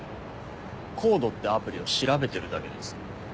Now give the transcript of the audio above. ＣＯＤＥってアプリを調べてるだけです。